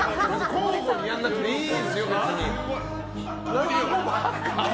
交互にやらなくていいですよ。